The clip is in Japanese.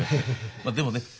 まあでもね